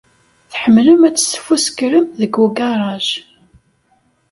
Tḥemmlem ad tesfuskrem deg ugaṛaj.